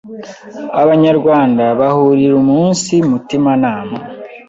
Abanyarwanda bahurira umunsi mutima nama